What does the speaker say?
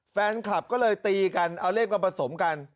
แฟนคลับก็เลยตีกันเอาเลขมาผสมกัน